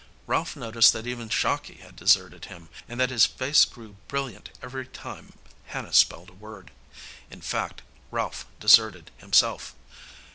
Ralph noticed that even Shocky had deserted him, and that his face grew brilliant every time Hannah spelled a word. In fact, Ralph deserted himself.